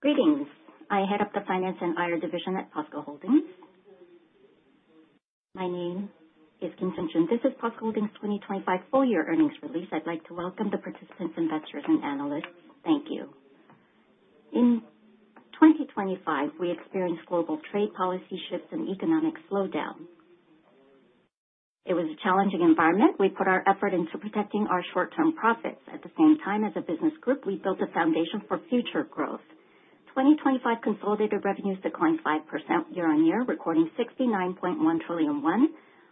Greetings. I head up the finance and IR division at POSCO Holdings. My name is Seung-Jun Kim. This is POSCO Holdings 2025 full year earnings release. I'd like to welcome the participants, investors, and analysts. Thank you. In 2025, we experienced global trade policy shifts and economic slowdown. It was a challenging environment. We put our effort into protecting our short-term profits. At the same time, as a business group, we built a foundation for future growth. 2025 consolidated revenues declined 5% year-on-year, recording 69.1 trillion won.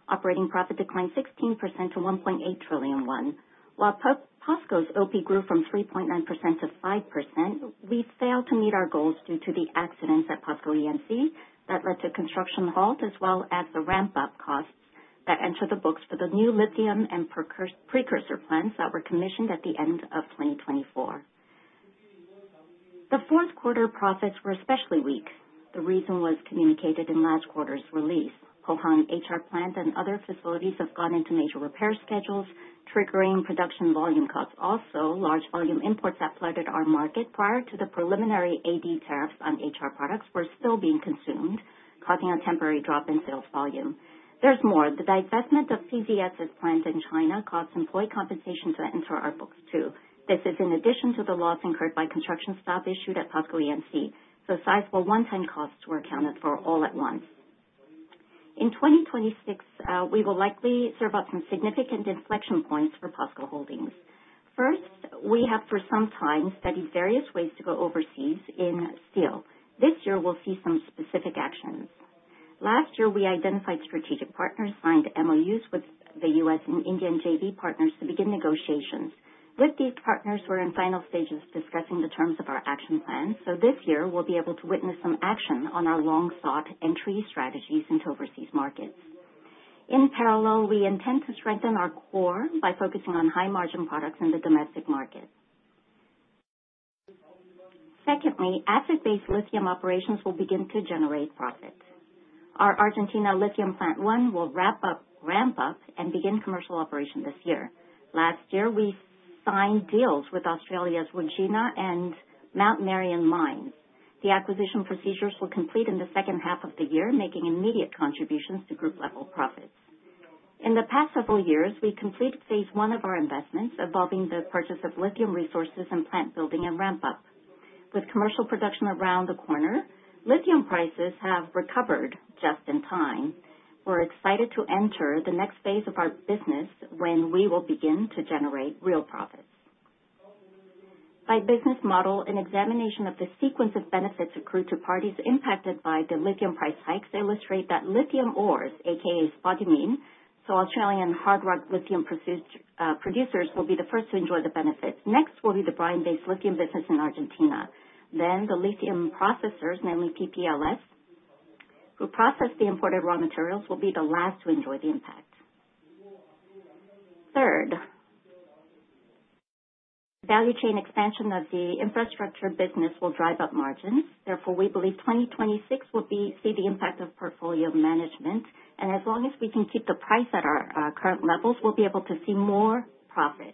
Operating profit declined 16% to 1.8 trillion won. While POSCO's OP grew from 3.9% to 5%, we failed to meet our goals due to the accidents at POSCO E&C that led to construction halt, as well as the ramp-up costs that entered the books for the new lithium and precursor plants that were commissioned at the end of 2024. The fourth quarter profits were especially weak. The reason was communicated in last quarter's release. Pohang HR plant and other facilities have gone into major repair schedules, triggering production volume costs. Also, large volume imports that flooded our market prior to the preliminary AD tariffs on HR products were still being consumed, causing a temporary drop in sales volume. There's more. The divestment of PZSS plants in China caused employee compensation to enter our books too. This is in addition to the loss incurred by construction stop issued at POSCO E&C, so sizable one-time costs were accounted for all at once. In 2026, we will likely serve up some significant inflection points for POSCO Holdings. First, we have for some time studied various ways to go overseas in steel. This year, we'll see some specific actions. Last year, we identified strategic partners, signed MOUs with the U.S. and Indian JV partners to begin negotiations. With these partners, we're in final stages discussing the terms of our action plan, so this year we'll be able to witness some action on our long-sought entry strategies into overseas markets. In parallel, we intend to strengthen our core by focusing on high-margin products in the domestic market. Secondly, asset-based lithium operations will begin to generate profits. Our Argentina lithium plant 1 will ramp up and begin commercial operation this year. Last year, we signed deals with Australia's Wodgina and Mount Marion mines. The acquisition procedures will complete in the second half of the year, making immediate contributions to group-level profits. In the past several years, we completed phase 1 of our investments involving the purchase of lithium resources and plant building and ramp-up. With commercial production around the corner, lithium prices have recovered just in time. We're excited to enter the next phase of our business when we will begin to generate real profits. By business model, an examination of the sequence of benefits accrued to parties impacted by the lithium price hikes illustrate that lithium ores, AKA spodumene, so Australian hard rock lithium producers will be the first to enjoy the benefits. Next will be the brine-based lithium business in Argentina. Then the lithium processors, namely PPLS, who process the imported raw materials will be the last to enjoy the impact. Third, value chain expansion of the infrastructure business will drive up margins. Therefore, we believe 2026 will see the impact of portfolio management, and as long as we can keep the price at our current levels, we'll be able to see more profit.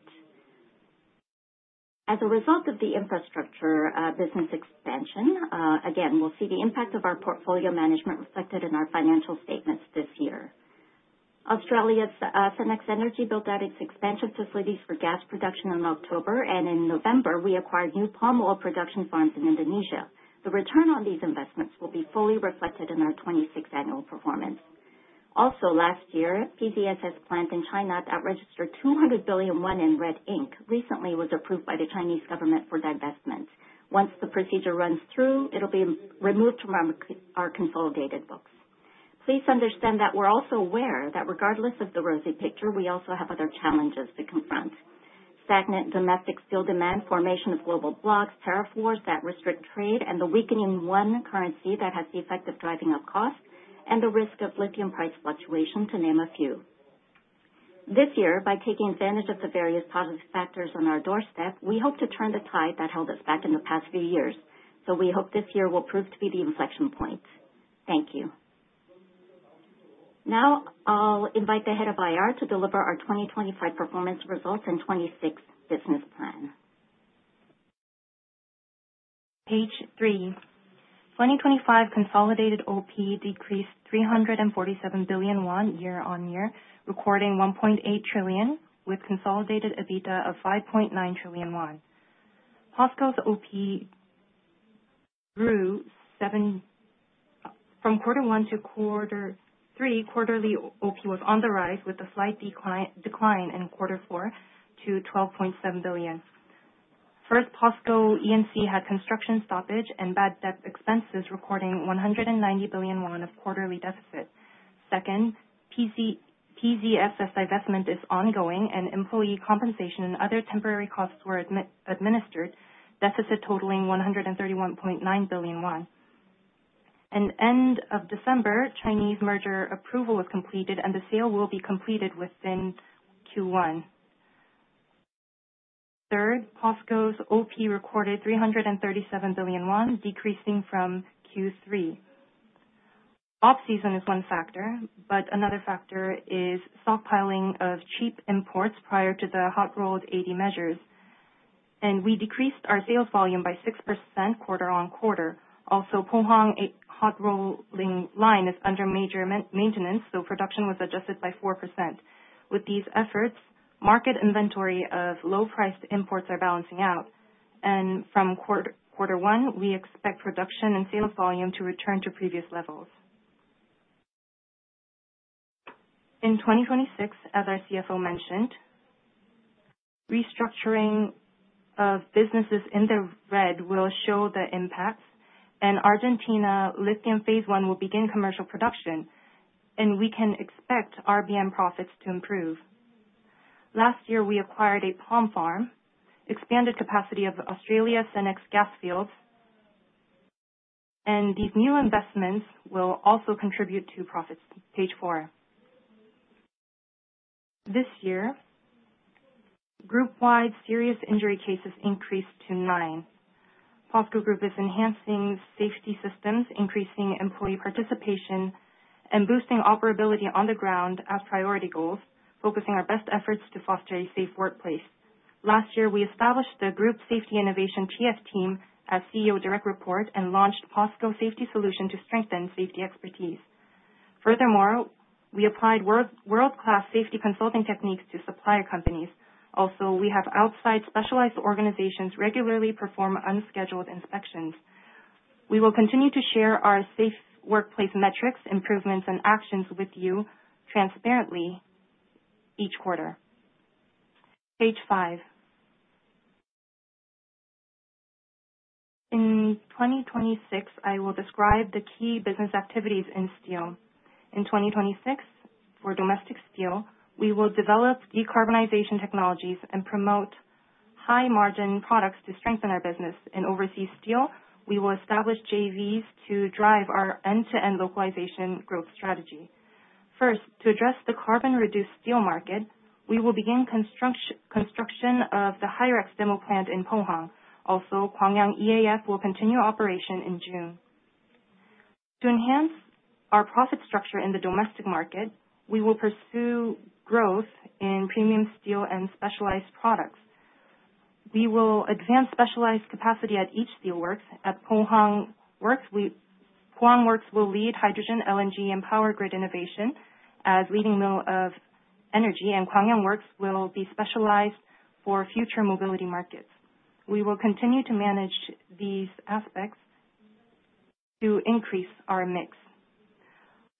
As a result of the infrastructure business expansion, again, we'll see the impact of our portfolio management reflected in our financial statements this year. Australia's Senex Energy built out its expansion facilities for gas production in October, and in November, we acquired new palm oil production farms in Indonesia. The return on these investments will be fully reflected in our 2026 annual performance. Also last year, PZSS plant in China that registered 200 billion won in red ink recently was approved by the Chinese government for divestment. Once the procedure runs through, it'll be removed from our consolidated books. Please understand that we're also aware that regardless of the rosy picture, we also have other challenges to confront. Stagnant domestic steel demand, formation of global blocks, tariff wars that restrict trade, and the weakening won currency that has the effect of driving up costs, and the risk of lithium price fluctuation, to name a few. This year, by taking advantage of the various positive factors on our doorstep, we hope to turn the tide that held us back in the past few years. We hope this year will prove to be the inflection point. Thank you. Now I'll invite the head of IR to deliver our 2025 performance results and 2026 business plan. Page three. FY 2025 consolidated OP decreased 347 billion won year-on-year, recording 1.8 trillion, with consolidated EBITDA of 5.9 trillion won. POSCO's OP grew seven. From quarter one to quarter three, quarterly OP was on the rise with a slight decline in quarter four to 12.7 billion. First, POSCO E&C had construction stoppage and bad debt expenses, recording 190 billion won of quarterly deficit. Second, PZSS divestment is ongoing, and employee compensation and other temporary costs were administered, deficit totaling 131.9 billion won. At end of December, Chinese merger approval was completed, and the sale will be completed within Q1. Third, POSCO's OP recorded 337 billion won, decreasing from Q3. Off-season is one factor, but another factor is stockpiling of cheap imports prior to the hot rolled AD measures. We decreased our sales volume by 6% quarter-on-quarter. Pohang hot rolling line is under major maintenance, so production was adjusted by 4%. With these efforts, market inventory of low-priced imports are balancing out, and from quarter one, we expect production and sales volume to return to previous levels. In 2026, as our CFO mentioned, restructuring of businesses in the red will show the impacts and Argentina lithium phase one will begin commercial production, and we can expect RBM profits to improve. Last year we acquired a palm farm, expanded capacity of Australia Senex gas fields, and these new investments will also contribute to profits. Page 4. This year, group-wide serious injury cases increased to nine. POSCO Group is enhancing safety systems, increasing employee participation, and boosting operability on the ground as priority goals, focusing our best efforts to foster a safe workplace. Last year, we established the Group Safety Special Diagnosis TF team as CEO direct report and launched POSCO Safety Solution to strengthen safety expertise. Furthermore, we applied world-class safety consulting techniques to supplier companies. Also, we have outside specialized organizations regularly perform unscheduled inspections. We will continue to share our safe workplace metrics, improvements, and actions with you transparently each quarter. Page 5. In 2026, I will describe the key business activities in steel. In 2026, for domestic steel, we will develop decarbonization technologies and promote high margin products to strengthen our business. In overseas steel, we will establish JVs to drive our end-to-end localization growth strategy. First, to address the carbon-reduced steel market, we will begin construction of the HyREX demo plant in Pohang. Also, Gwangyang EAF will continue operation in June. To enhance our profit structure in the domestic market, we will pursue growth in premium steel and specialized products. We will advance specialized capacity at each steel works. At Pohang Works, Pohang Works will lead hydrogen, LNG, and power grid innovation as leading mill of energy, and Gwangyang Works will be specialized for future mobility markets. We will continue to manage these aspects to increase our mix.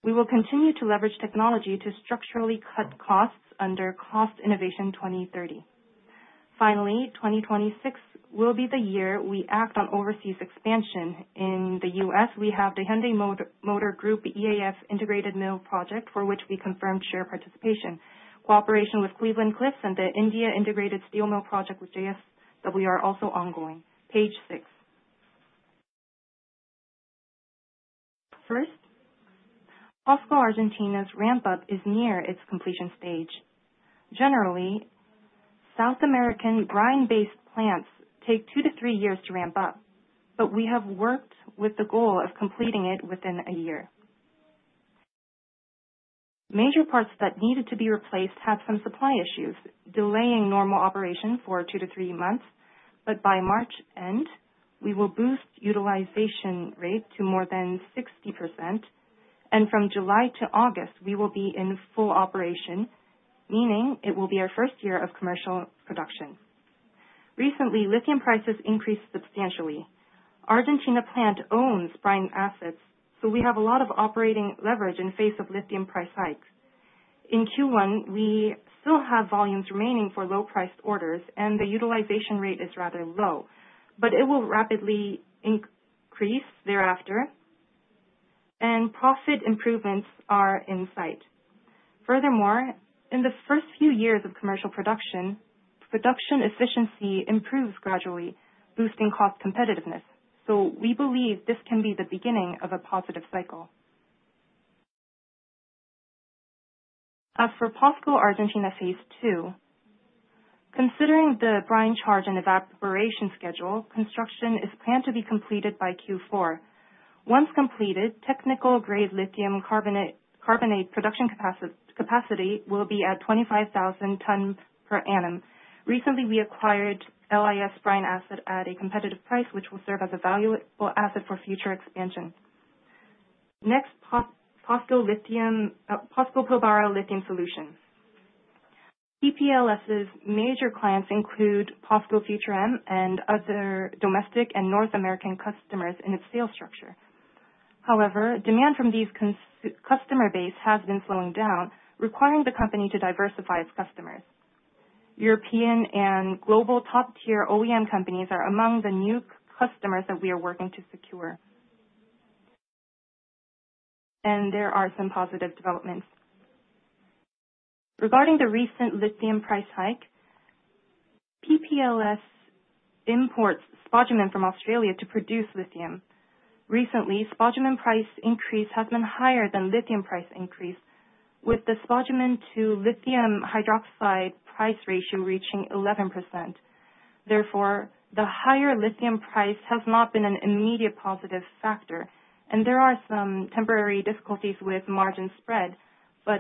We will continue to leverage technology to structurally cut costs under Cost Innovation 2030. Finally, 2026 will be the year we act on overseas expansion. In the U.S., we have the Hyundai Motor Group EAF Integrated Mill project, for which we confirmed share participation. Cooperation with Cleveland-Cliffs and the India integrated steel mill project with JSW are also ongoing. Page six. First, POSCO Argentina's ramp-up is near its completion stage. Generally, South American brine-based plants take 2-3 years to ramp up, but we have worked with the goal of completing it within a year. Major parts that needed to be replaced had some supply issues, delaying normal operation for 2-3 months, but by end of March, we will boost utilization rate to more than 60%, and from July to August, we will be in full operation, meaning it will be our first year of commercial production. Recently, lithium prices increased substantially. Argentina plant owns brine assets, so we have a lot of operating leverage in the face of lithium price hikes. In Q1, we still have volumes remaining for low-priced orders, and the utilization rate is rather low, but it will rapidly increase thereafter and profit improvements are in sight. Furthermore, in the first few years of commercial production efficiency improves gradually, boosting cost competitiveness. We believe this can be the beginning of a positive cycle. As for POSCO Argentina phase two, considering the brine charge and evaporation schedule, construction is planned to be completed by Q4. Once completed, technical-grade lithium carbonate production capacity will be at 25,000 tons per annum. Recently, we acquired LIS brine asset at a competitive price, which will serve as a valuable asset for future expansion. Next, POSCO Global Lithium Solutions. PPLS' major clients include POSCO Future M and other domestic and North American customers in its sales structure. However, demand from this customer base has been slowing down, requiring the company to diversify its customers. European and global top-tier OEM companies are among the new customers that we are working to secure. There are some positive developments. Regarding the recent lithium price hike, PPLS imports spodumene from Australia to produce lithium. Recently, spodumene price increase has been higher than lithium price increase, with the spodumene to lithium hydroxide price ratio reaching 11%. Therefore, the higher lithium price has not been an immediate positive factor, and there are some temporary difficulties with margin spread.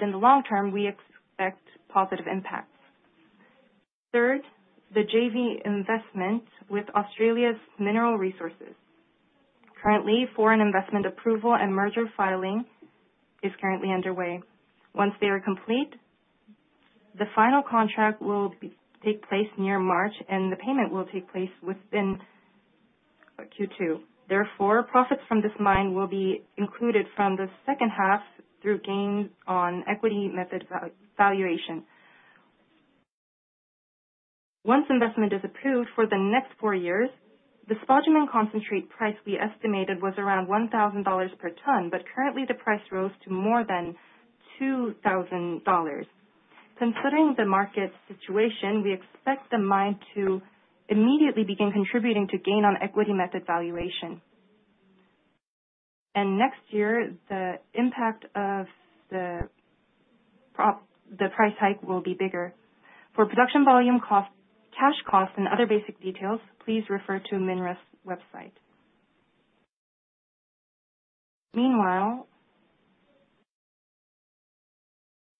In the long term, we expect positive impacts. Third, the JV investment with Australia's Mineral Resources. Currently, foreign investment approval and merger filing is currently underway. Once they are complete, the final contract will take place near March and the payment will take place within Q2. Therefore, profits from this mine will be included from the second half through gains on equity method valuation. Once investment is approved, for the next four years, the spodumene concentrate price we estimated was around $1,000 per ton, but currently the price rose to more than $2,000. Considering the market situation, we expect the mine to immediately begin contributing to gain on equity method valuation. Next year, the impact of the price hike will be bigger. For production volume cost, cash costs, and other basic details, please refer to MinRes website. Meanwhile,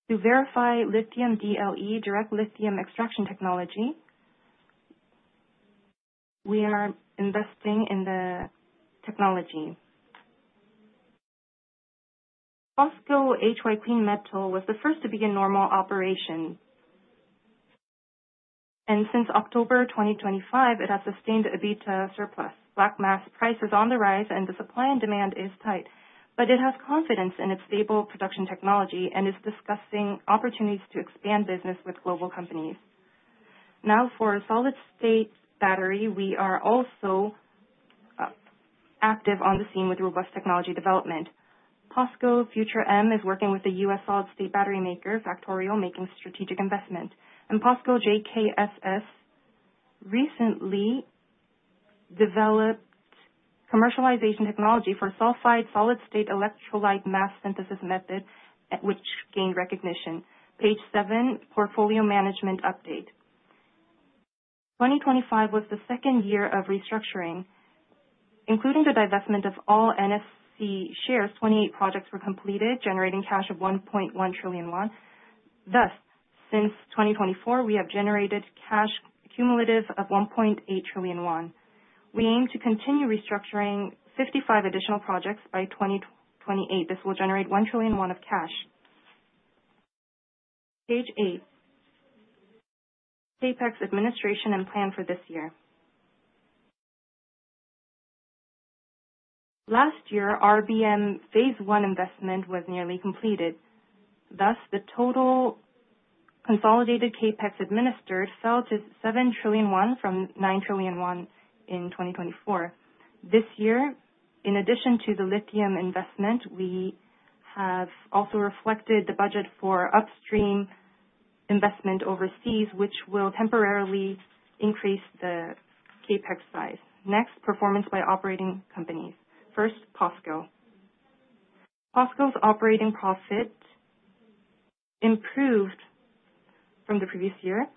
to verify lithium DLE, direct lithium extraction technology, we are investing in the technology. POSCO HY Clean Metal was the first to begin normal operation. Since October 2025, it has sustained EBITDA surplus. Black mass price is on the rise and the supply and demand is tight. It has confidence in its stable production technology and is discussing opportunities to expand business with global companies. Now for solid state battery, we are also active on the scene with robust technology development. POSCO Future M is working with the U.S. solid state battery maker, Factorial, making strategic investment. POSCO JKSS recently developed commercialization technology for sulfide solid-state electrolyte mass synthesis method, which gained recognition. Page seven, portfolio management update. 2025 was the second year of restructuring, including the divestment of all NSC shares. 28 projects were completed, generating cash of 1.1 trillion won. Thus, since 2024, we have generated cash cumulative of 1.8 trillion won. We aim to continue restructuring 55 additional projects by 2028. This will generate 1 trillion won of cash. Page eight, CapEx administration and plan for this year. Last year, RBM phase one investment was nearly completed. Thus, the total consolidated CapEx administered fell to 7 trillion won from 9 trillion won in 2024. This year, in addition to the lithium investment, we have also reflected the budget for upstream investment overseas, which will temporarily increase the CapEx size. Next, performance by operating companies. First, POSCO. POSCO's operating profit improved from the previous year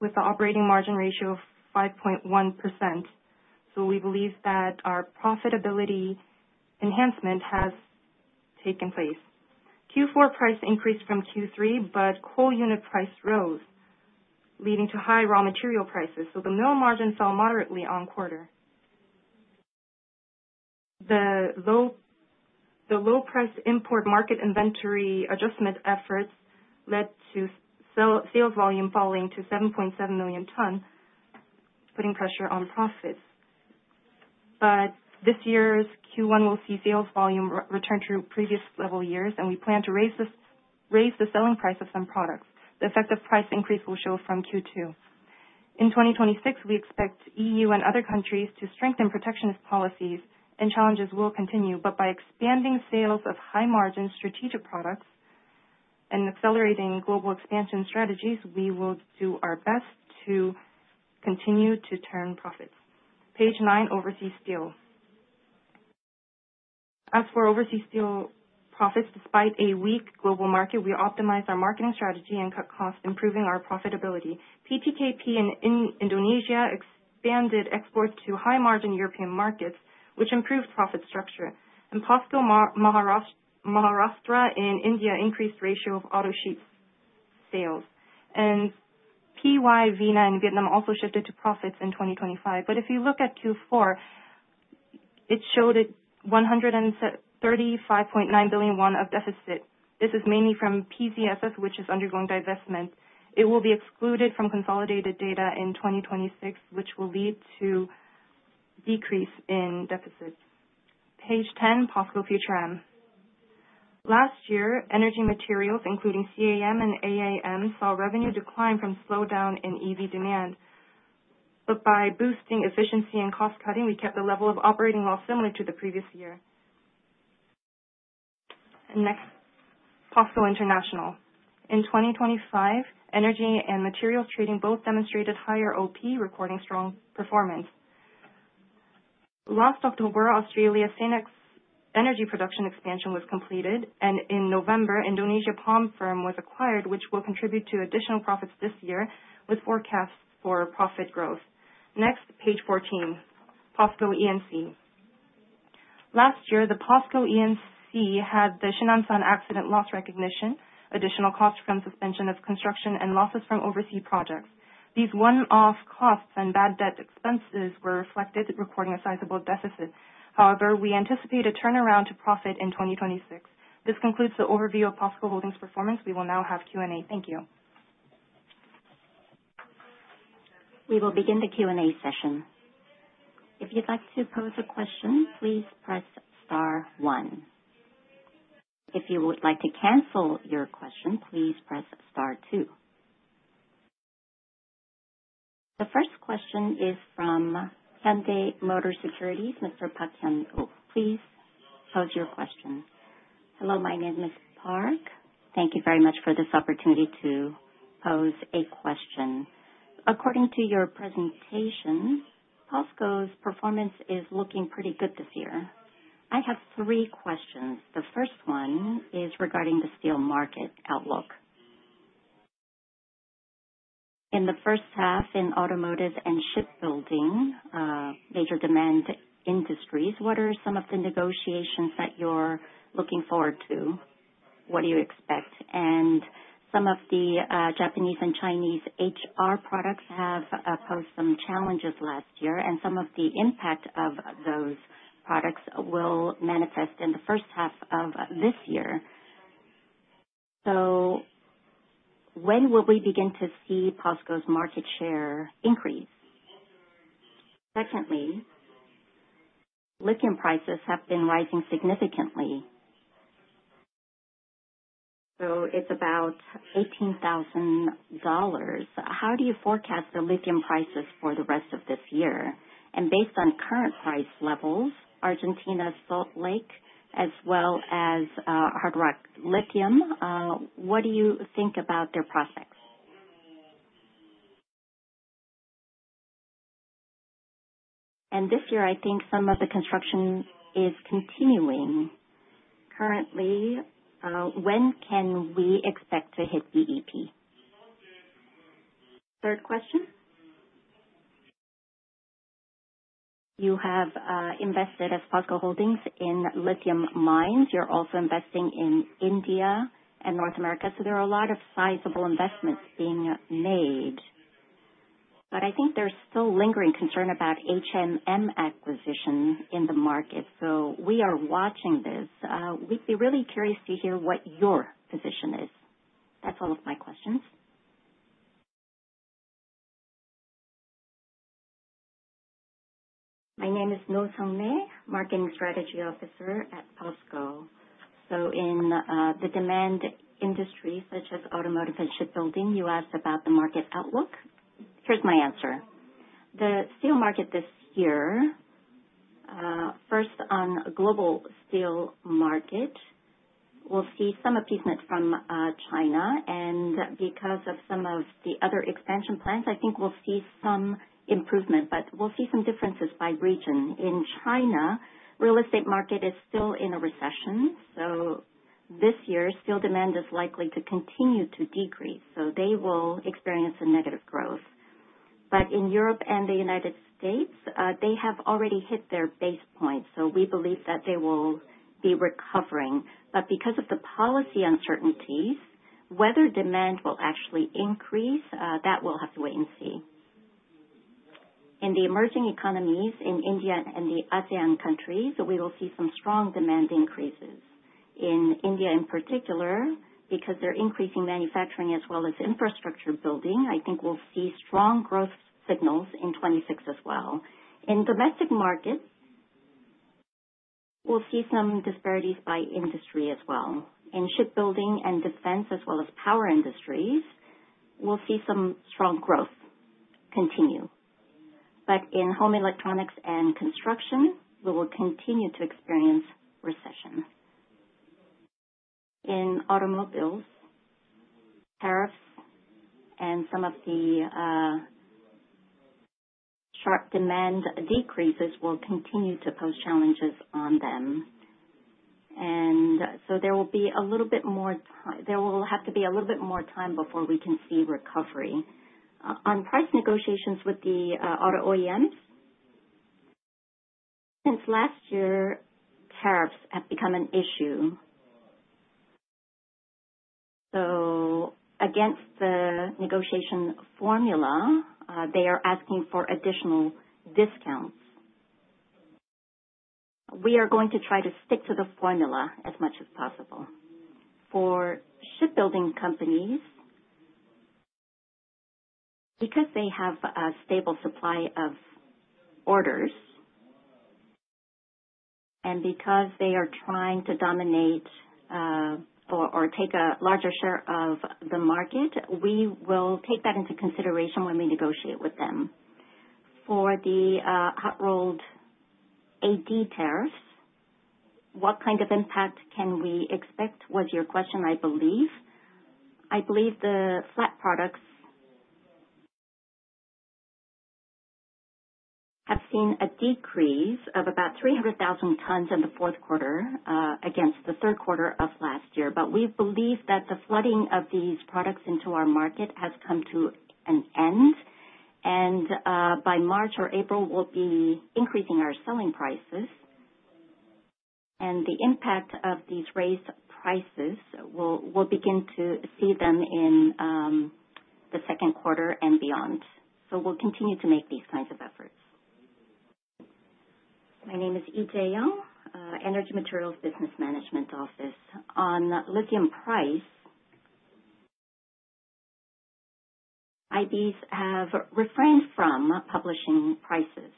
with the operating margin ratio of 5.1%, so we believe that our profitability enhancement has taken place. Q4 price increased from Q3, but coal unit price rose, leading to high raw material prices, so the mill margin fell moderately on quarter. The low price import market inventory adjustment efforts led to sales volume falling to 7.7 million tons, putting pressure on profits. This year's Q1 will see sales volume return to previous level years, and we plan to raise the selling price of some products. The effective price increase will show from Q2. In 2026, we expect EU and other countries to strengthen protectionist policies and challenges will continue, but by expanding sales of high-margin strategic products and accelerating global expansion strategies, we will do our best to continue to turn profits. Page nine, overseas steel. As for overseas steel profits, despite a weak global market, we optimized our marketing strategy and cut costs, improving our profitability. PT Krakatau POSCO in Indonesia expanded exports to high-margin European markets, which improved profit structure. POSCO Maharashtra Steel in India increased ratio of auto sheets sales. POSCO YAMATO VINA STEEL in Vietnam also shifted to profits in 2025. If you look at Q4, it showed 135.9 billion won of deficit. This is mainly from PZSS, which is undergoing divestment. It will be excluded from consolidated data in 2026, which will lead to decrease in deficits. Page 10, POSCO Future M. Last year, energy materials, including CAM and AAM, saw revenue decline from slowdown in EV demand. By boosting efficiency and cost cutting, we kept the level of operating well similar to the previous year. Next, POSCO International. In 2025, energy and materials trading both demonstrated higher OP, recording strong performance. Last October, Australia's Senex energy production expansion was completed, and in November, Indonesia palm farm was acquired, which will contribute to additional profits this year with forecasts for profit growth. Next, page 14, POSCO E&C. Last year, the POSCO E&C had the Shinansan Line accident, loss recognition, additional costs from suspension of construction, and losses from overseas projects. These one-off costs and bad debt expenses were reflected, recording a sizable deficit. However, we anticipate a turnaround to profit in 2026. This concludes the overview of POSCO Holdings' performance. We will now have Q&A. Thank you. Hello, my name is Park. Thank you very much for this opportunity to pose a question. According to your presentation, POSCO's performance is looking pretty good this year. I have three questions. The first one is regarding the steel market outlook. In the first half, in automotive and shipbuilding, major demand industries, what are some of the negotiations that you're looking forward to? What do you expect? Some of the Japanese and Chinese HR products have posed some challenges last year, and some of the impact of those products will manifest in the first half of this year. When will we begin to see POSCO's market share increase? Secondly, lithium prices have been rising significantly. It's about $18,000. How do you forecast the lithium prices for the rest of this year? Based on current price levels, Argentina's Salt Lake, as well as Hardrock Lithium, what do you think about their prospects? This year, I think some of the construction is continuing. Currently, when can we expect to hit BEP? Third question. You have invested as POSCO Holdings in lithium mines. You're also investing in India and North America, so there are a lot of sizable investments being made. But I think there's still lingering concern about HMM acquisition in the market, so we are watching this. We'd be really curious to hear what your position is. That's all of my questions. My name is Noh Sung-rae, Marketing Strategy Officer at POSCO. In the demand industry, such as automotive and shipbuilding, you asked about the market outlook. Here's my answer. The steel market this year, first on global steel market, we'll see some abatement from China, and because of some of the other expansion plans, I think we'll see some improvement, but we'll see some differences by region. In China, real estate market is still in a recession, so this year, steel demand is likely to continue to decrease, so they will experience a negative growth. In Europe and the United States, they have already hit their base point, so we believe that they will be recovering. Because of the policy uncertainties, whether demand will actually increase, that we'll have to wait and see. In the emerging economies in India and the ASEAN countries, we will see some strong demand increases. In India, in particular, because they're increasing manufacturing as well as infrastructure building, I think we'll see strong growth signals in 2026 as well. In domestic markets, we'll see some disparities by industry as well. In shipbuilding and defense as well as power industries, we'll see some strong growth continue. In home electronics and construction, we will continue to experience recession. In automobiles, tariffs, and some of the sharp demand decreases will continue to pose challenges on them. There will have to be a little bit more time before we can see recovery. On price negotiations with the auto OEMs, since last year, tariffs have become an issue. Against the negotiation formula, they are asking for additional discounts. We are going to try to stick to the formula as much as possible. For shipbuilding companies, because they have a stable supply of orders, and because they are trying to dominate or take a larger share of the market, we will take that into consideration when we negotiate with them. For the hot rolled AD tariffs, what kind of impact can we expect was your question, I believe. I believe the flat products have seen a decrease of about 300,000 tons in the fourth quarter against the third quarter of last year. We believe that the flooding of these products into our market has come to an end, and by March or April, we'll be increasing our selling prices. The impact of these raised prices, we'll begin to see them in the second quarter and beyond. We'll continue to make these kinds of efforts. My name is Ije Young, Energy Materials Business Management Office. On lithium price, IBs have refrained from publishing prices.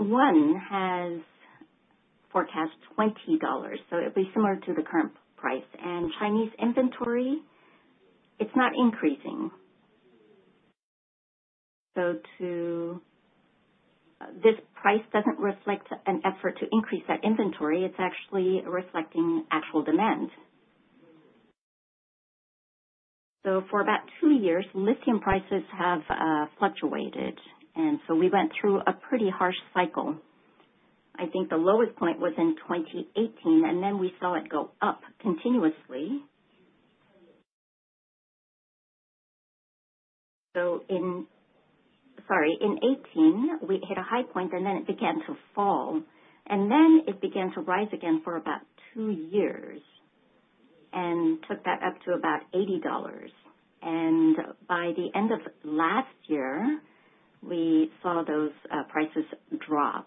One has forecast $20, so it'll be similar to the current price. Chinese inventory, it's not increasing. This price doesn't reflect an effort to increase that inventory. It's actually reflecting actual demand. For about two years, lithium prices have fluctuated, and so we went through a pretty harsh cycle. I think the lowest point was in 2018, and then we saw it go up continuously. Sorry. In '18, we hit a high point, and then it began to fall, and then it began to rise again for about two years and took that up to about $80. By the end of last year, we saw those prices drop.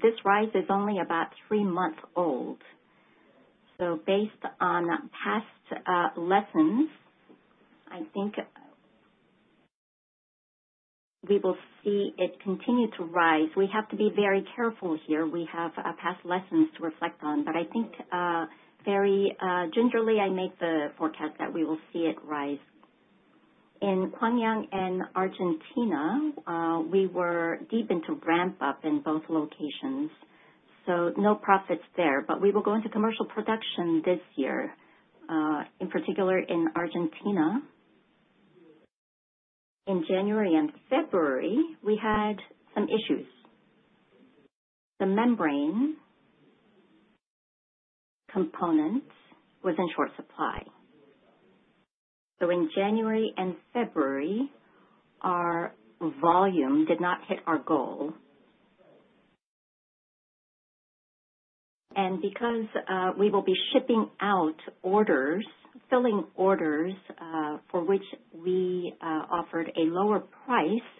This rise is only about three months old. Based on past lessons, I think we will see it continue to rise. We have to be very careful here. We have past lessons to reflect on, but I think very gingerly, I make the forecast that we will see it rise. In Gwangyang and Argentina, we were deep into ramp up in both locations, so no profits there, but we will go into commercial production this year. In particular, in Argentina, in January and February, we had some issues. The membrane component was in short supply. In January and February, our volume did not hit our goal. Because we will be shipping out orders, filling orders, for which we offered a lower price,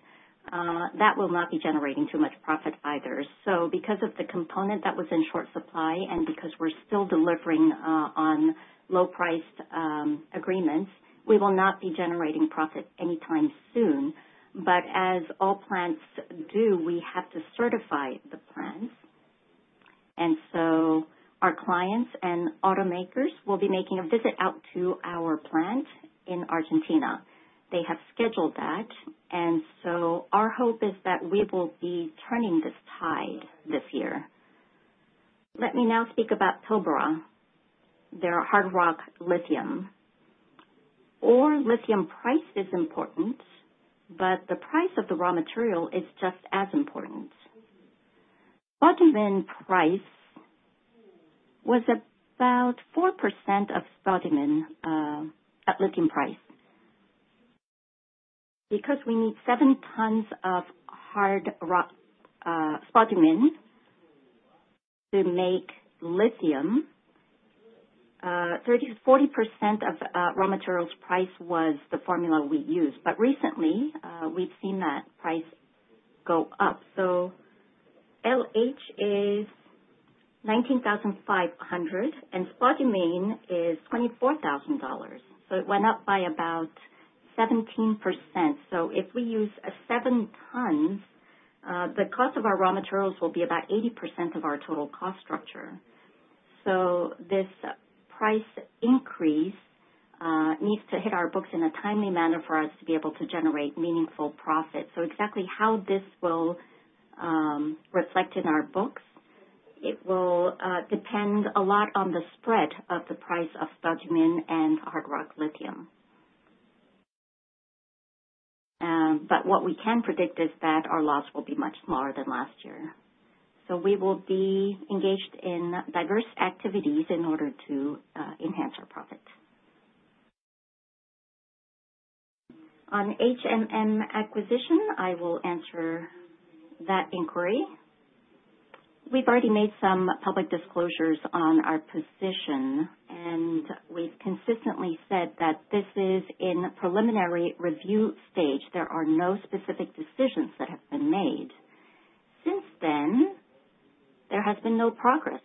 that will not be generating too much profit either. Because of the component that was in short supply and because we're still delivering on low-priced agreements, we will not be generating profit anytime soon. As all plants do, we have to certify the plants. Our clients and automakers will be making a visit out to our plant in Argentina. They have scheduled that, and so our hope is that we will be turning this tide this year. Let me now speak about Pilbara, their hard rock lithium. The lithium ore price is important, but the price of the raw material is just as important. Spodumene price was about 4% of the lithium price. Because we need seven tons of hard rock spodumene to make lithium, 40% of raw materials price was the formula we used, but recently, we've seen that price go up. LH is $19,500, and spodumene is $24,000. It went up by about 17%. If we use seven tons, the cost of our raw materials will be about 80% of our total cost structure. This price increase needs to hit our books in a timely manner for us to be able to generate meaningful profit. Exactly how this will reflect in our books, it will depend a lot on the spread of the price of spodumene and hard rock lithium. What we can predict is that our loss will be much smaller than last year. We will be engaged in diverse activities in order to enhance our profit. On HMM acquisition, I will answer that inquiry. We've already made some public disclosures on our position, and we've consistently said that this is in preliminary review stage. There are no specific decisions that have been made. Since then, there has been no progress.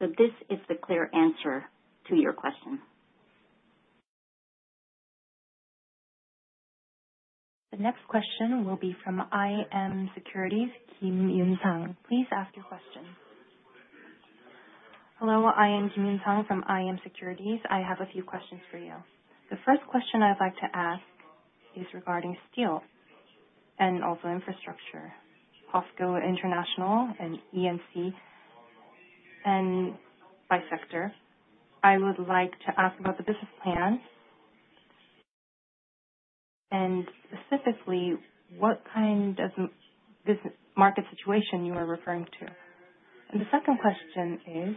This is the clear answer to your question. The next question will be from iM Securities, Kim Yoon Sang. Please ask your question. Hello, I am Kim Yoon Sang from iM Securities. I have a few questions for you. The first question I'd like to ask is regarding steel and also infrastructure. POSCO International and EMC. And by sector, I would like to ask about the business plan, and specifically what kind of market situation you are referring to. The second question is.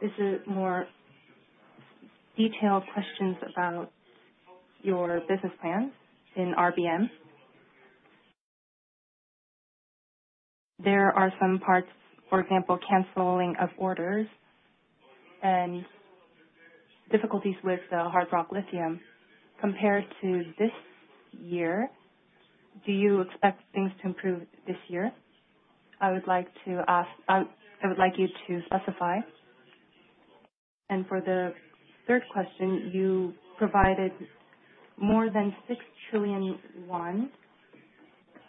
This is more detailed questions about your business plan in RBM. There are some parts, for example, canceling of orders and difficulties with Hardrock Lithium. Compared to this year, do you expect things to improve this year? I would like you to specify. For the third question, you provided more than 6 trillion won.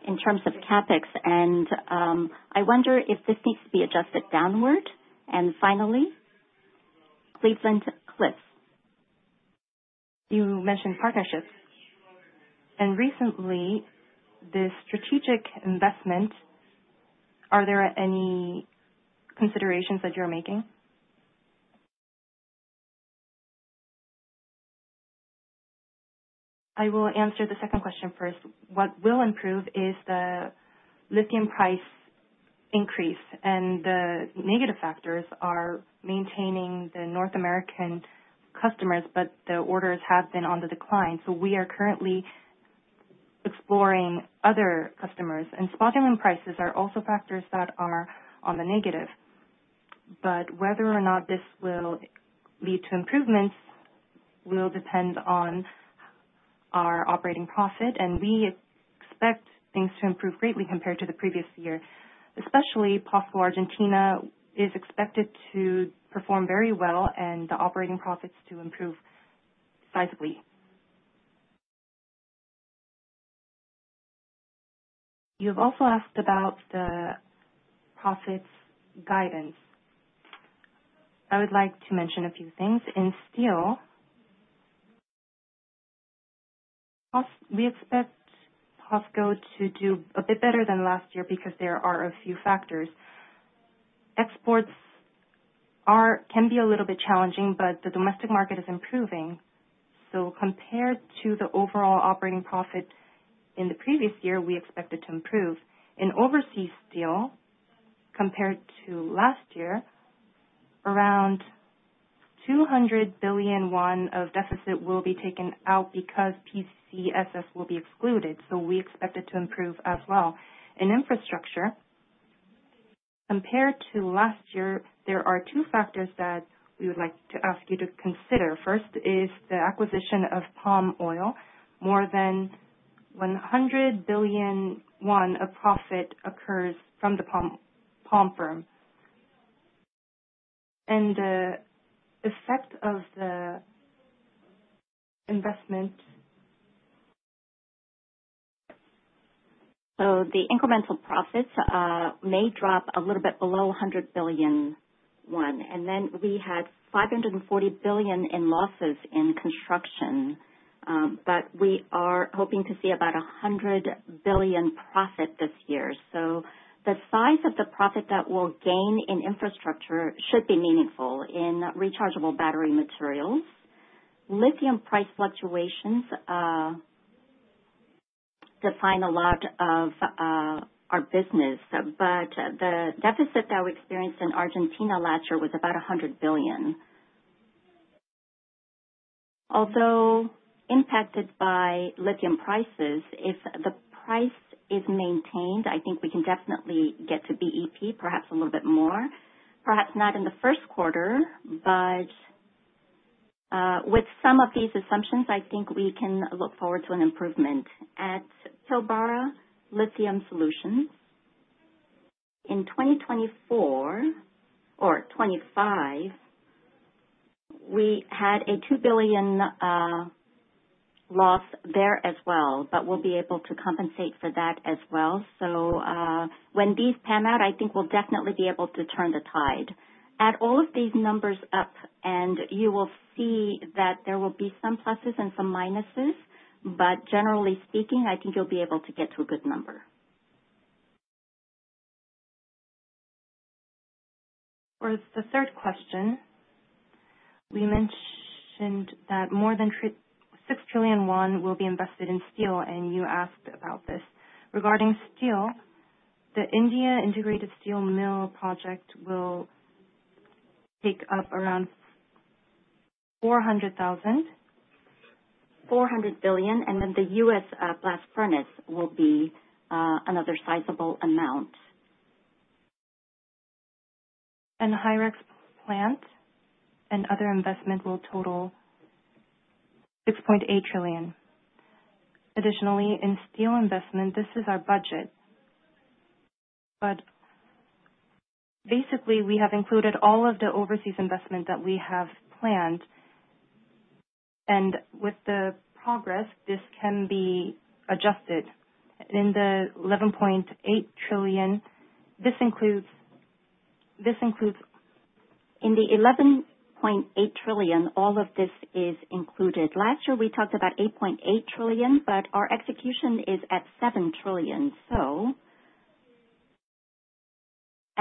In terms of CapEx, I wonder if this needs to be adjusted downward. Finally, Cleveland-Cliffs. You mentioned partnerships. Recently, the strategic investment, are there any considerations that you're making? I will answer the second question first. What will improve is the lithium price increase, and the negative factors are maintaining the North American customers, but the orders have been on the decline. We are currently exploring other customers. Spodumene prices are also factors that are on the negative. Whether or not this will lead to improvements will depend on our operating profit, and we expect things to improve greatly compared to the previous year. Especially POSCO Argentina is expected to perform very well and the operating profits to improve sizable. You have also asked about the profits guidance. I would like to mention a few things. In steel, we expect POSCO to do a bit better than last year because there are a few factors. Exports can be a little bit challenging, but the domestic market is improving. Compared to the overall operating profit in the previous year, we expect it to improve. In overseas steel, compared to last year, around 200 billion won of deficit will be taken out because PZSS will be excluded, so we expect it to improve as well. In infrastructure, compared to last year, there are two factors that we would like to ask you to consider. First is the acquisition of palm oil. More than 100 billion won of profit occurs from the palm farm. The effect of the investment- The incremental profits may drop a little bit below 100 billion. We had 540 billion in losses in construction, but we are hoping to see about 100 billion profit this year. The size of the profit that we'll gain in infrastructure should be meaningful. In rechargeable battery materials, lithium price fluctuations define a lot of our business, but the deficit that we experienced in Argentina last year was about 100 billion. Although impacted by lithium prices, if the price is maintained, I think we can definitely get to BEP perhaps a little bit more. Perhaps not in the first quarter, but with some of these assumptions, I think we can look forward to an improvement. At Pilbara Lithium Solution in 2024 or 2025, we had a 2 billion loss there as well, but we'll be able to compensate for that as well. When these pan out, I think we'll definitely be able to turn the tide. Add all of these numbers up and you will see that there will be some pluses and some minuses, but generally speaking, I think you'll be able to get to a good number. For the third question, we mentioned that more than 6 trillion won will be invested in steel, and you asked about this. Regarding steel, the India Integrated Steel Mill project will take up around 400,000. 400 billion, and then the U.S. blast furnace will be another sizable amount. HyREX plant and other investment will total 6.8 trillion. Additionally, in steel investment, this is our budget. Basically, we have included all of the overseas investment that we have planned. With the progress, this can be adjusted. In the 11.8 trillion, this includes In the 11.8 trillion, all of this is included. Last year, we talked about 8.8 trillion, but our execution is at 7 trillion.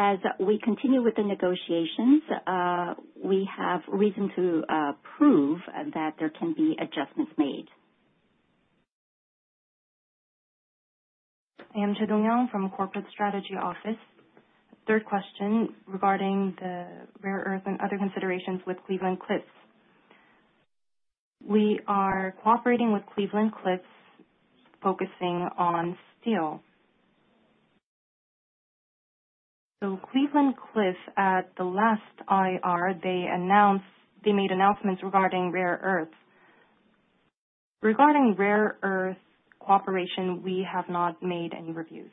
As we continue with the negotiations, we have reason to prove that there can be adjustments made. I am Yang Ji-dong from Corporate Strategy Office. Third question regarding the rare earth and other considerations with Cleveland-Cliffs. We are cooperating with Cleveland-Cliffs, focusing on steel. Cleveland-Cliffs, at the last IR, they made announcements regarding rare earths. Regarding rare earth cooperation, we have not made any reviews.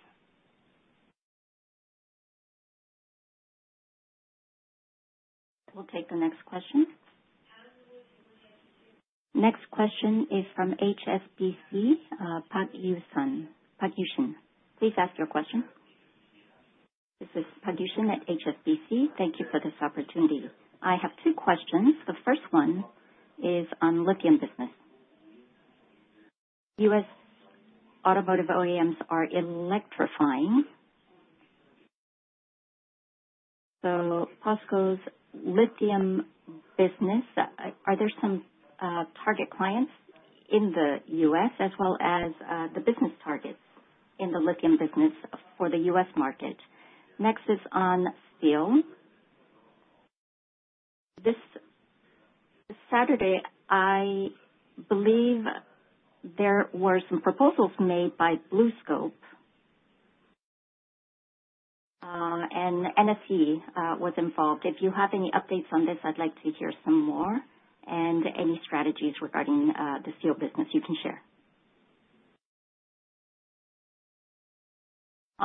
We'll take the next question. Next question is from HSBC, Park Yoo San. Park Yoo San, please ask your question. This is Park Yoo San at HSBC. Thank you for this opportunity. I have two questions. The first one is on lithium business. U.S. automotive OEMs are electrifying. So POSCO's lithium business, are there some target clients in the U.S. as well as the business targets in the lithium business for the U.S. market? Next is on steel. This Saturday, I believe there were some proposals made by BlueScope, and NFC was involved. If you have any updates on this, I'd like to hear some more, and any strategies regarding the steel business you can share.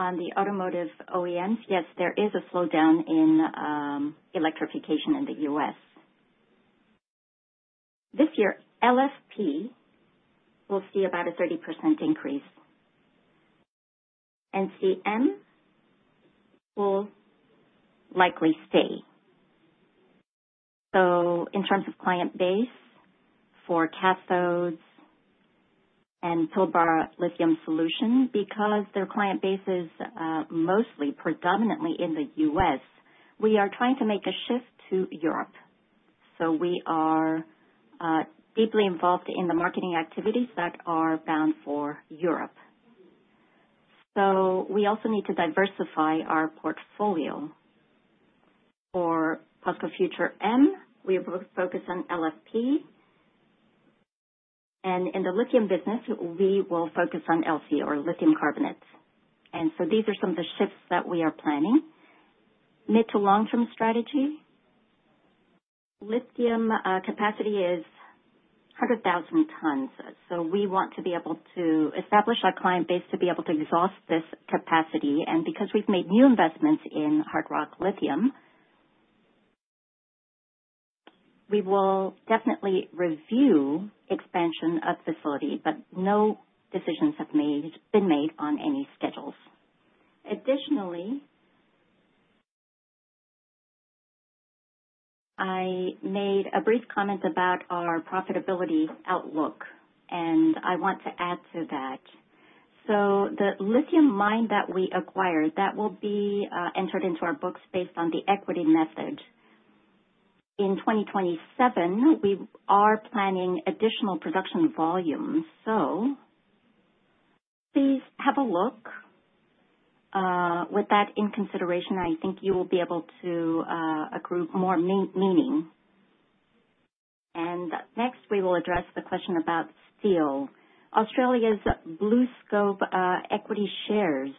On the automotive OEMs, yes, there is a slowdown in electrification in the U.S. This year, LFP will see about a 30% increase. NCM will likely stay. In terms of client base for cathodes and Pilbara Lithium Solution, because their client base is mostly predominantly in the U.S., we are trying to make a shift to Europe. We are deeply involved in the marketing activities that are bound for Europe. We also need to diversify our portfolio. For POSCO Future M, we focus on LFP, and in the lithium business, we will focus on LC or lithium carbonate. These are some of the shifts that we are planning. Mid- to long-term strategy, lithium capacity is 100,000 tons. We want to be able to establish our client base to be able to exhaust this capacity. Because we've made new investments in hard rock lithium, we will definitely review expansion of facility, but no decisions have been made on any schedules. Additionally, I made a brief comment about our profitability outlook, and I want to add to that. The lithium mine that we acquired, that will be entered into our books based on the equity method. In 2027, we are planning additional production volume. Please have a look. With that in consideration, I think you will be able to accrue more meaning. Next, we will address the question about steel. Australia's BlueScope equity shares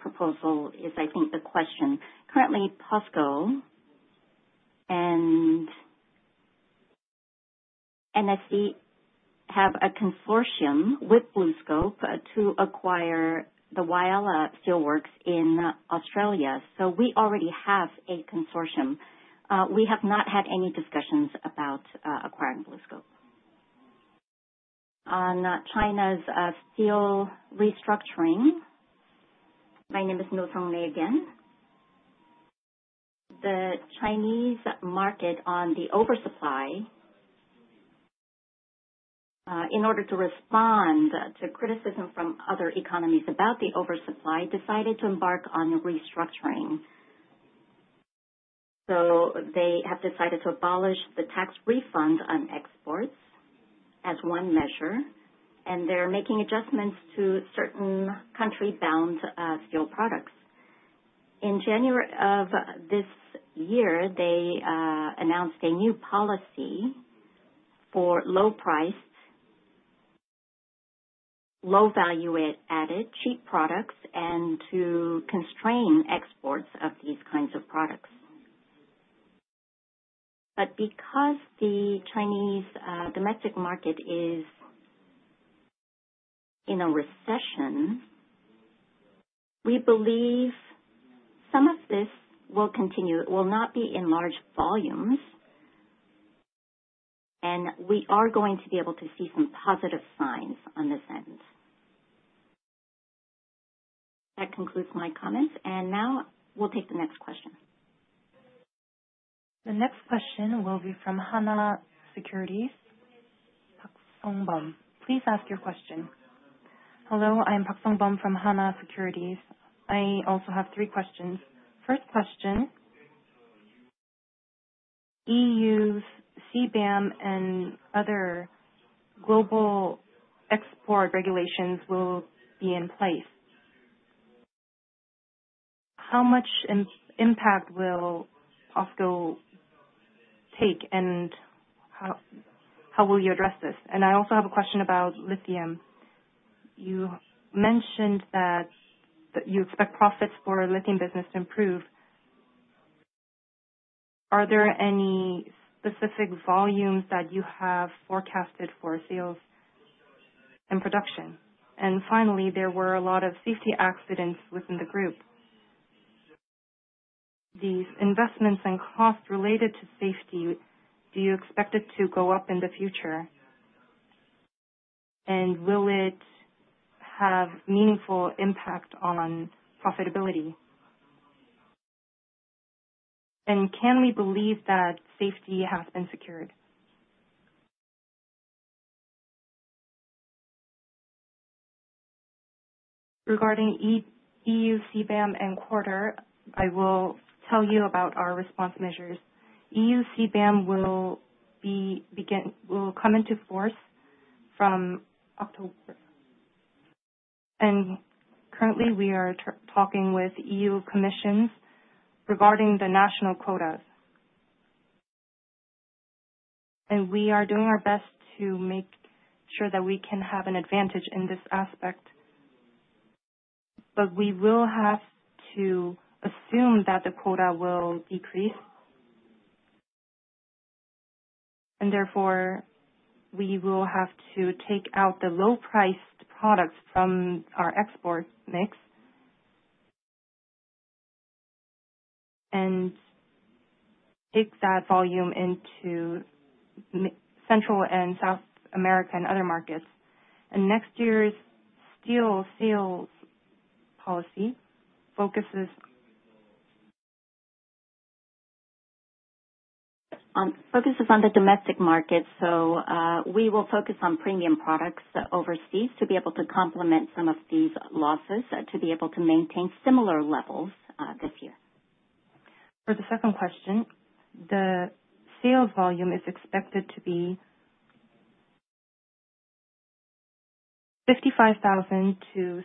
proposal is, I think, the question. Currently, POSCO and NFC have a consortium with BlueScope to acquire the Whyalla Steel Works in Australia. We already have a consortium. We have not had any discussions about acquiring BlueScope. On China's steel restructuring, my name is Myung Sung Lee again. The Chinese market on the oversupply, in order to respond to criticism from other economies about the oversupply, decided to embark on restructuring. They have decided to abolish the tax refund on exports as one measure, and they're making adjustments to certain country-bound steel products. In January of this year, they announced a new policy for low-priced, low-value-added cheap products, and to constrain exports of these kinds of products, because the Chinese domestic market is in a recession, we believe some of this will continue. It will not be in large volumes, and we are going to be able to see some positive signs on this end. That concludes my comments, and now we'll take the next question. The next question will be from Hana Securities, Park Sungbum. Please ask your question. Hello, I'm Park Sungbum from Hana Securities. I also have three questions. First question, EU's CBAM and other global export regulations will be in place. How much impact will POSCO take, and how will you address this? I also have a question about lithium. You mentioned that you expect profits for lithium business to improve. Are there any specific volumes that you have forecasted for sales and production? Finally, there were a lot of safety accidents within the group. These investments and costs related to safety, do you expect it to go up in the future? Will it have meaningful impact on profitability? Can we believe that safety has been secured? Regarding EU CBAM and quarter, I will tell you about our response measures. EU CBAM will come into force from October, and currently we are talking with EU Commission regarding the national quotas. We are doing our best to make sure that we can have an advantage in this aspect. We will have to assume that the quota will decrease. Therefore, we will have to take out the low-priced products from our export mix, and take that volume into Central and South America and other markets. Next year's steel sales policy focuses on the domestic market. We will focus on premium products overseas to be able to complement some of these losses to be able to maintain similar levels this year. For the second question, the sales volume is expected to be 55,000-60,000.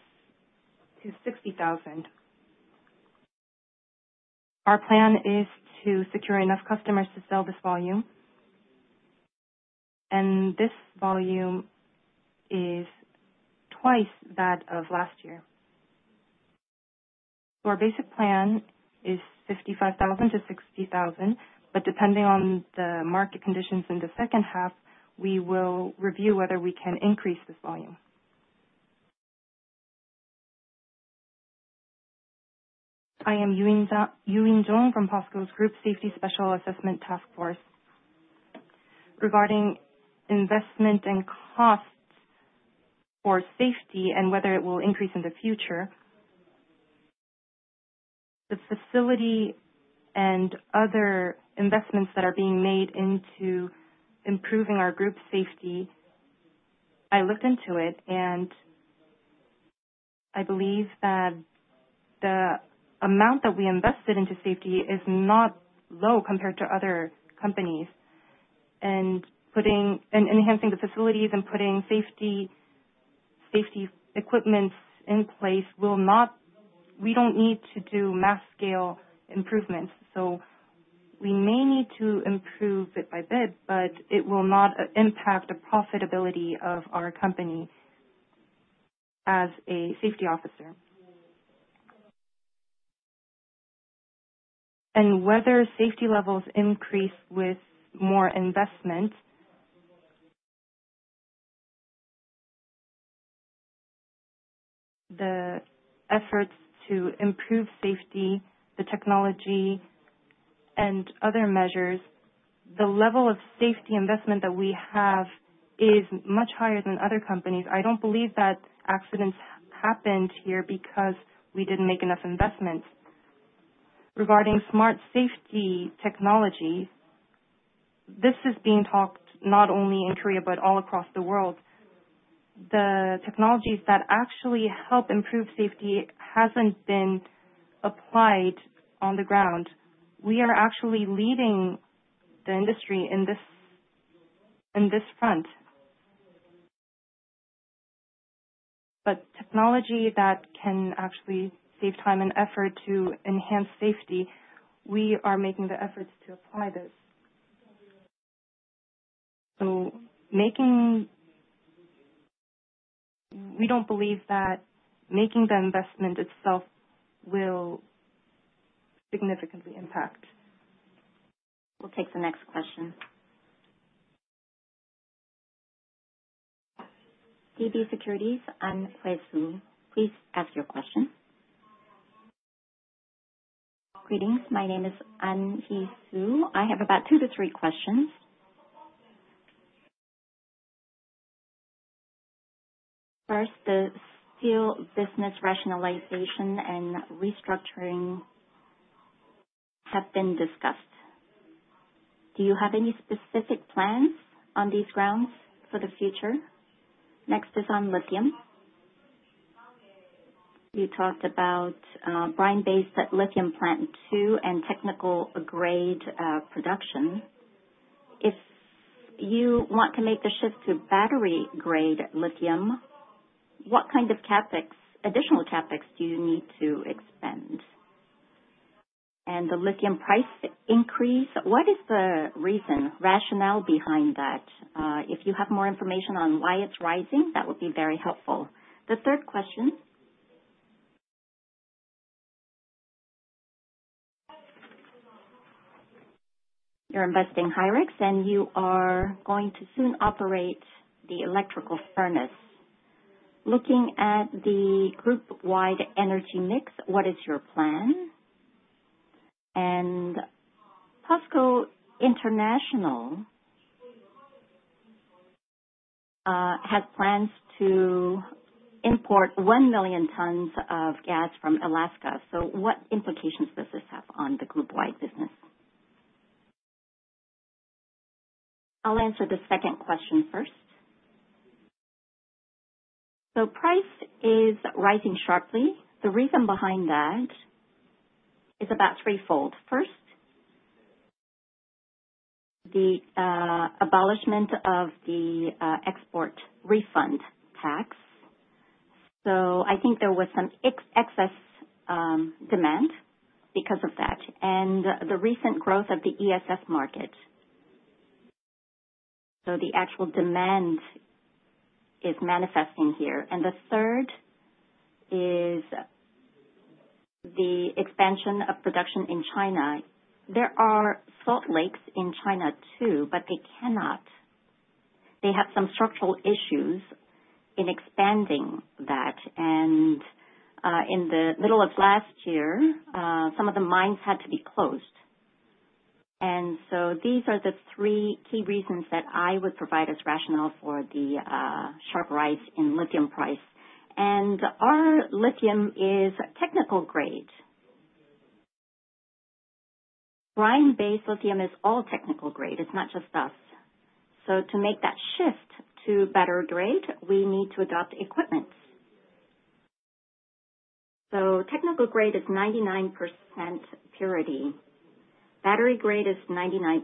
Our plan is to secure enough customers to sell this volume, and this volume is twice that of last year. Our basic plan is 55,000-60,000, but depending on the market conditions in the second half, we will review whether we can increase this volume. I am Yu Injong from POSCO's Group Safety Special Assessment Task Force. Regarding investment and costs for safety and whether it will increase in the future, the facility and other investments that are being made into improving our group safety, I looked into it, and I believe that the amount that we invested into safety is not low compared to other companies. Enhancing the facilities and putting safety equipment in place, we don't need to do mass scale improvements. We may need to improve bit by bit, but it will not impact the profitability of our company as a safety officer. Whether safety levels increase with more investment, the efforts to improve safety, the technology, and other measures, the level of safety investment that we have is much higher than other companies. I don't believe that accidents happened here because we didn't make enough investments. Regarding smart safety technology, this is being talked not only in Korea but all across the world. The technologies that actually help improve safety hasn't been applied on the ground. We are actually leading the industry in this front. Technology that can actually save time and effort to enhance safety, we are making the efforts to apply this. We don't believe that making the investment itself will significantly impact. We'll take the next question. DB Securities, An Huisu. Please ask your question. Greetings. My name is An Huisu. I have about 2 to 3 questions. First, the steel business rationalization and restructuring have been discussed. Do you have any specific plans on these grounds for the future? Next is on lithium. You talked about brine-based lithium plant two and technical-grade production. If you want to make the shift to battery-grade lithium, what kind of additional CapEx do you need to expend? And the lithium price increase, what is the reason, rationale behind that? If you have more information on why it's rising, that would be very helpful. The third question. You are investing HyREX, and you are going to soon operate the electrical furnace. Looking at the group-wide energy mix, what is your plan? And POSCO International has plans to import 1 million tons of gas from Alaska. What implications does this have on the group-wide business? I'll answer the second question first. Price is rising sharply. The reason behind that is about threefold. First, the abolishment of the export refund tax. I think there was some excess demand because of that and the recent growth of the ESS market. The actual demand is manifesting here. The third is the expansion of production in China. There are salt lakes in China too, but they have some structural issues in expanding that, and in the middle of last year some of the mines had to be closed. These are the three key reasons that I would provide as rationale for the sharp rise in lithium price. Our lithium is technical-grade. Brine-based lithium is all technical-grade. It's not just us. To make that shift to better grade, we need to adopt equipment. Technical grade is 99% purity. Battery grade is 99.5%,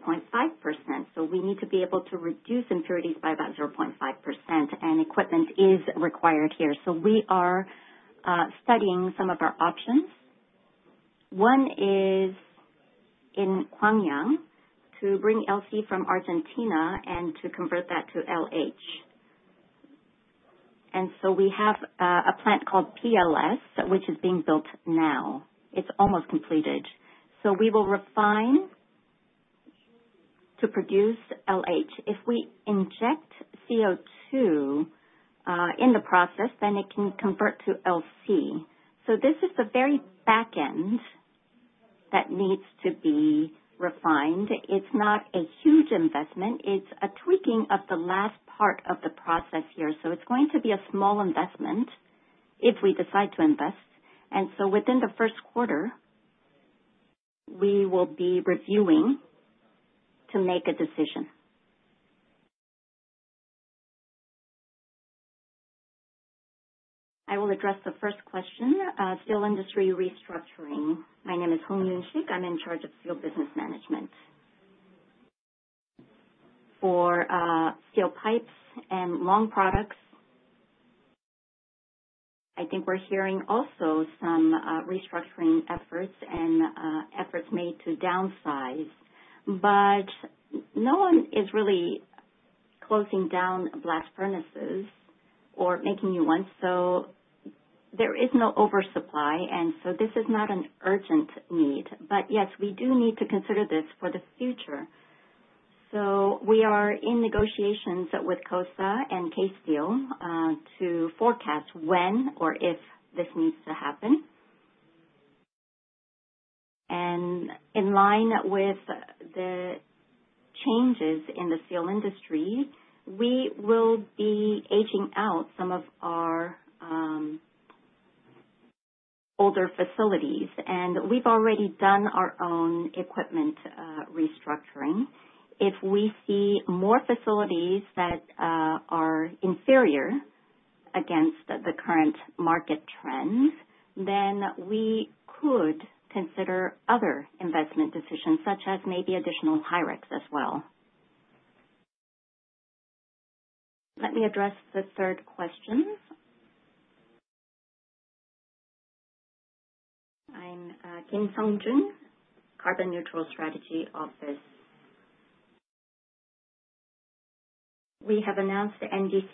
so we need to be able to reduce impurities by about 0.5%, and equipment is required here. We are studying some of our options. One is in Hwaseong, to bring LC from Argentina and to convert that to LH. We have a plant called PLS, which is being built now. It's almost completed. We will refine to produce LH. If we inject CO2 in the process, then it can convert to LC. This is the very back end that needs to be refined. It's not a huge investment. It's a tweaking of the last part of the process here. It's going to be a small investment if we decide to invest. Within the first quarter, we will be reviewing to make a decision. I will address the first question, steel industry restructuring. My name is Yoon-Sik Hong, I'm in charge of steel business management. For steel pipes and long products, I think we're hearing also some restructuring efforts and efforts made to downsize, but no one is really closing down blast furnaces or making new ones, so there is no oversupply, and so this is not an urgent need. Yes, we do need to consider this for the future. We are in negotiations with KOSA and K-Steel to forecast when or if this needs to happen. In line with the changes in the steel industry, we will be aging out some of our older facilities, and we've already done our own equipment restructuring. If we see more facilities that are inferior against the current market trends, then we could consider other investment decisions such as maybe additional HyREX as well. Let me address the third question. I'm Seung-Jun Kim, Carbon Neutral Strategy Office. We have announced NDC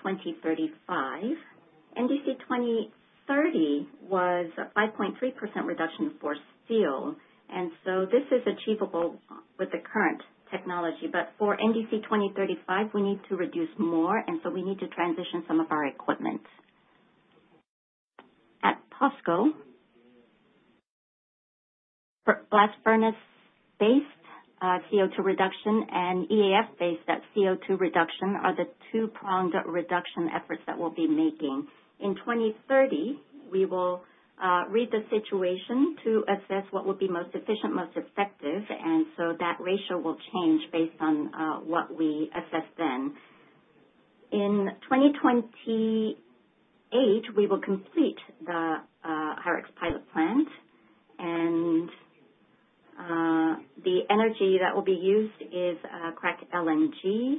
2035. NDC 2030 was a 5.3% reduction for steel, and so this is achievable with the current technology. But for NDC 2035, we need to reduce more, and so we need to transition some of our equipment. At POSCO, blast-furnace-based CO2 reduction and EAF-based CO2 reduction are the two-pronged reduction efforts that we'll be making. In 2030, we will read the situation to assess what would be most efficient, most effective, and so that ratio will change based on what we assess then. In 2028, we will complete the HyREX pilot plant and the energy that will be used is cracked LNG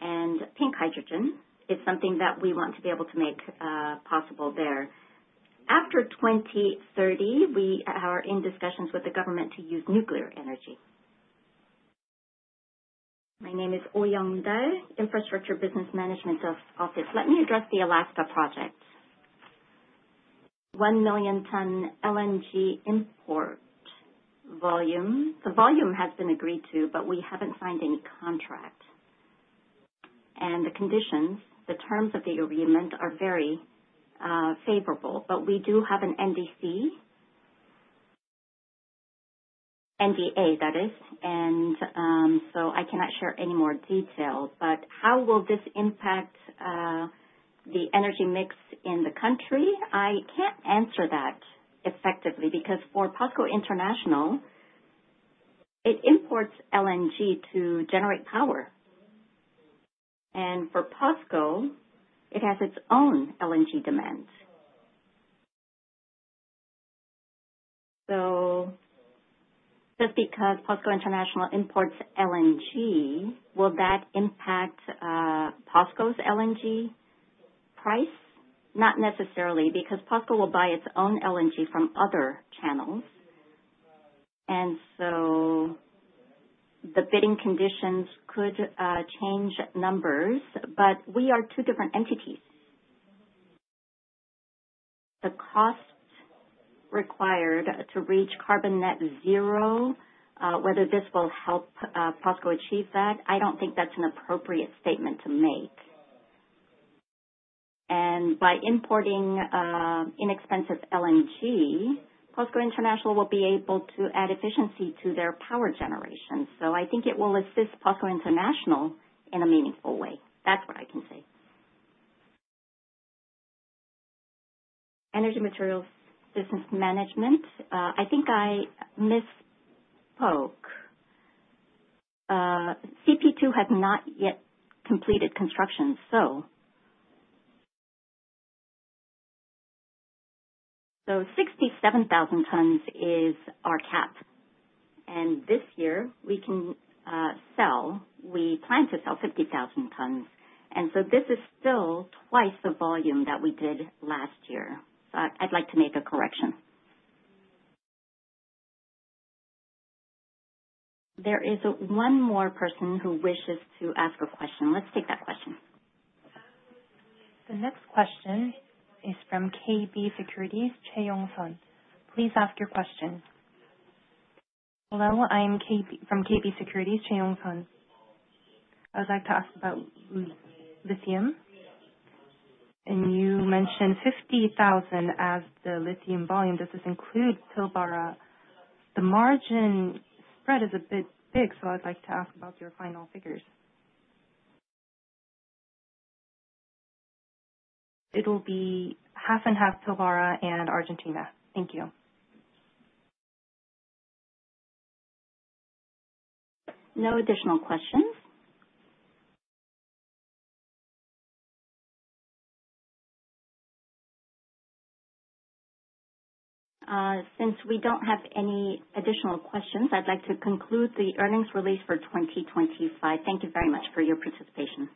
and pink hydrogen. It's something that we want to be able to make possible there. After 2030, we are in discussions with the government to use nuclear energy. My name is Oyong Daou, Infrastructure Business Management Office. Let me address the Alaska project. 1 million ton LNG import volume. The volume has been agreed to, but we haven't signed any contract. The conditions, the terms of the agreement are very favorable. We do have an NDA, that is, and so I cannot share any more details. How will this impact the energy mix in the country? I can't answer that effectively because for POSCO International, it imports LNG to generate power. For POSCO, it has its own LNG demand. Just because POSCO International imports LNG, will that impact POSCO's LNG price? Not necessarily, because POSCO will buy its own LNG from other channels, and so the bidding conditions could change numbers. We are two different entities. The cost required to reach carbon net zero, whether this will help POSCO achieve that, I don't think that's an appropriate statement to make. By importing inexpensive LNG, POSCO International will be able to add efficiency to their power generation. I think it will assist POSCO International in a meaningful way. That's what I can say. Energy Materials Business Management. I think I misspoke. CP2 has not yet completed construction, so 67,000 tons is our cap. This year we can sell. We plan to sell 50,000 tons, and so this is still twice the volume that we did last year. I'd like to make a correction. There is one more person who wishes to ask a question. Let's take that question. The next question is from KB Securities, Choi Yong-hyeon. Please ask your question. Hello, I am from KB Securities, Choi Yong-hyeon. I would like to ask about lithium. You mentioned 50,000 as the lithium volume. Does this include Pilbara? The margin spread is a bit big, so I'd like to ask about your final figures. It'll be half and half, Pilbara and Argentina. Thank you. No additional questions. Since we don't have any additional questions, I'd like to conclude the earnings release for 2025. Thank you very much for your participation.